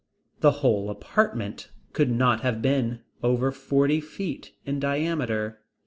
The whole apartment could not have been over fifty feet in diameter.